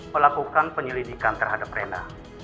melakukan penyelidikan terhadap rena